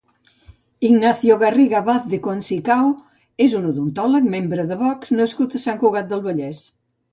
Ignacio Garriga Vaz de Concicao és un odontòleg, membre de Vox nascut a Sant Cugat del Vallès.